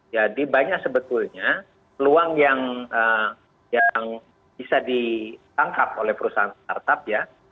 jadi banyak sebetulnya peluang yang bisa ditangkap oleh perusahaan startup ya